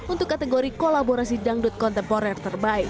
untuk kategori kolaborasi dangdut kontemporer terbaik